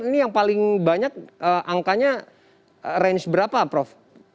ini yang paling banyak angkanya range berapa prof